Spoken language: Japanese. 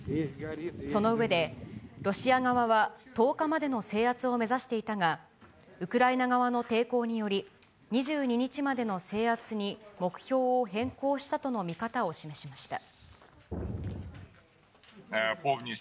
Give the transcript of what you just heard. その上で、ロシア側は１０日までの制圧を目指していたが、ウクライナ側の抵抗により、２２日までの制圧に目標を変更したとの見方を示しました。